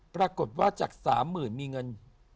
ปรากฏว่าจาก๓๐๐๐มีเงิน